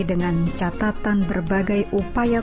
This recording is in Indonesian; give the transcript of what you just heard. dengan catatan berbagai upaya